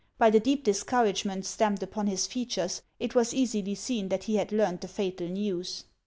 By the deep discouragement stamped upon his features it was easily seen that he had learned the fatal news.